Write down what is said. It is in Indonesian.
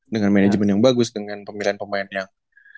dengan manajemen yang bagus dengan pemilihan pemain yang